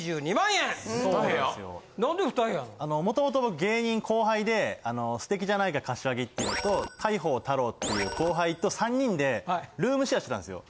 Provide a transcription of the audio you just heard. あの元々僕芸人後輩で素敵じゃないか柏木っていうのと太鵬太朗っていう後輩と３人でルームシェアしてたんですよ。